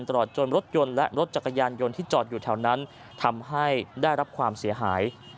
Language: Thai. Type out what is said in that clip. ตลอดจนรถยนต์และรถจักรยานยนต์ที่จอดอยู่แถวนั้นทำให้ได้รับความเสียหาย